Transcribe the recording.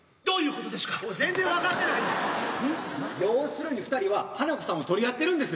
要するに二人は花子さんを取り合ってるんです。